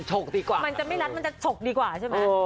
มันจะไม่รักมันจะชกที่กว่าใช่ไหม